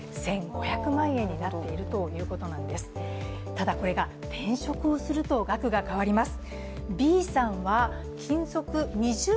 ただこれが、転職をすると額が変わります。